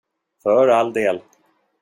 För all del.